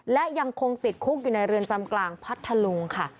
และยังคงติดคุกอยู่ในเรือนจำกลางพัทธลุงค่ะ